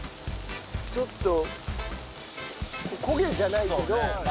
ちょっとお焦げじゃないけど。